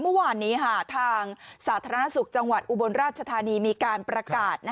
เมื่อวานนี้ทางสาธารณสุขจังหวัดอุบลราชธานีมีการประกาศ